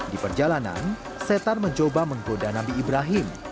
di perjalanan setan mencoba menggoda nabi ibrahim